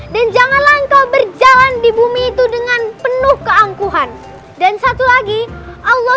dan janganlah engkau berjalan di bumi itu dengan penuh keangkuhan dan satu lagi allah